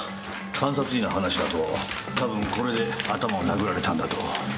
監察医の話だとたぶんこれで頭を殴られたんだと。